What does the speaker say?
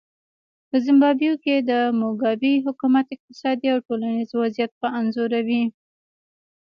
په زیمبابوې کې د موګابي حکومت اقتصادي او ټولنیز وضعیت ښه انځوروي.